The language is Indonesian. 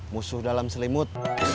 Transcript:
musuh dalam selimut